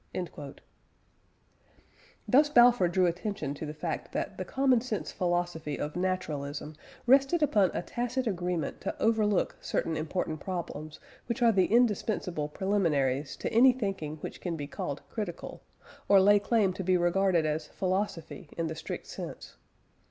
" Thus Balfour drew attention to the fact that the common sense philosophy of naturalism rested upon a tacit agreement to overlook certain important problems which are the indispensable preliminaries to any thinking which can be called critical, or lay claim to be regarded as philosophy in the strict sense.